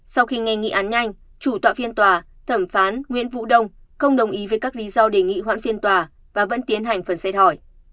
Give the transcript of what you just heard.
sau khi nghe nghị án nhanh chủ tọa phiên tòa thẩm phán nguyễn vũ đông không đồng ý với các lý do đề nghị hoãn phiên tòa và vẫn tiến hành phần xét hỏi